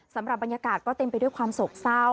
สำหรับบรรยากาศก็เต็มไปด้วยความโศกเศร้า